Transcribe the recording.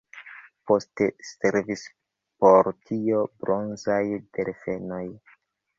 Poste servis por tio bronzaj delfenoj.